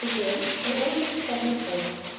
Again I almost caught my breath.